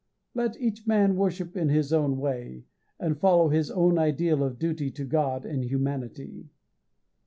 Let each man worship in his own way, and follow his own ideal of duty to God and humanity.